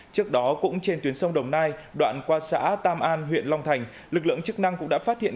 trước đó cũng trên tuyến sông đồng nai đoạn qua xã tam an huyện long thành lực lượng chức năng cũng đã phát hiện